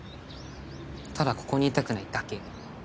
ただここにいたくないだけ。